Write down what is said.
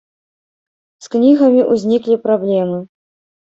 З кнігамі ўзніклі праблемы.